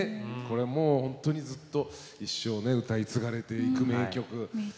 これはもうほんとにずっと一生ね歌い継がれていく名曲ですね。